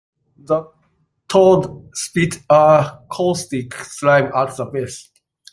The toad spit a caustic slime at the bees.